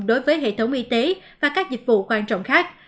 đối với hệ thống y tế và các dịch vụ quan trọng khác